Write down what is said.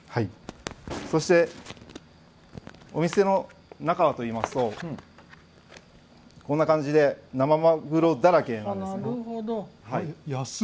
そしてお店の中はといいますとこんな感じで生マグロだらけなんですね。